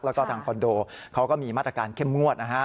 แล้วก็ทางคอนโดเขาก็มีมาตรการเข้มงวดนะฮะ